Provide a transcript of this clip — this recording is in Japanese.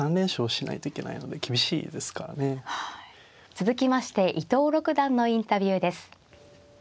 続きまして伊藤六段のインタビューです。